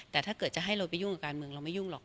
แต่ถ้าเกิดจะให้เราไปยุ่งกับการเมืองเราไม่ยุ่งหรอก